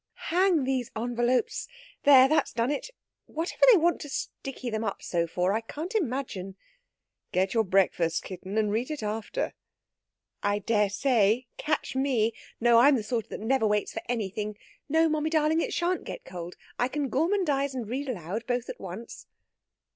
"Hang these envelopes! There, that's done it! Whatever they want to sticky them up so for I can't imagine...." "Get your breakfast, kitten, and read it after." "I dare say. Catch me! No, I'm the sort that never waits for anything.... No, mummy darling; it shan't get cold. I can gormandize and read aloud both at once."